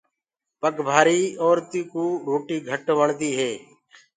پگ ڀآري مآيآ ڪوُ روٽي گھٽ وڻدي هي۔